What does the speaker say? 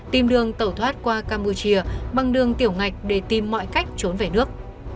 tìm đường tẩu thoát qua campuchia bằng đường tiểu ngạch để tìm mọi cách trốn về nước